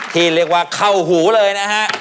ที่เรียกว่าเข้าหูเลยนะฮะ